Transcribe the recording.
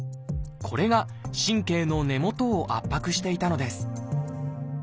これが神経の根元を圧迫していたのです。